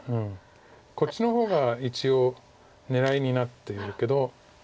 こっちの方が一応狙いになっているけど。